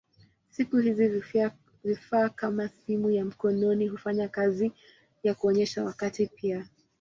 Siku hizi vifaa kama simu ya mkononi hufanya kazi ya kuonyesha wakati pia.